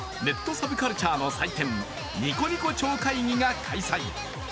サブカルチャーの祭典、ニコニコ超会議が開催。